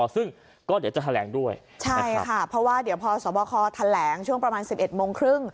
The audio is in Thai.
ซึ่งก็เดี๋ยวจะแถลงด้วยใช่ค่ะเพราะว่าเดี๋ยวพอสวบคอแถลงช่วงประมาณ๑๑โมงครึ่ง